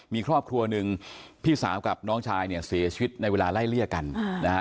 มีครอบครัวหนึ่งพี่สาวกับน้องชายเนี่ยเสียชีวิตในเวลาไล่เลี่ยกันนะฮะ